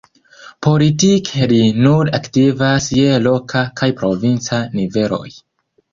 Politike li nur aktivas je loka kaj provinca niveloj.